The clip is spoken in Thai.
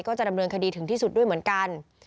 ก็จะดำเนินคดีถึงที่สุดด้วยเหมือนกัน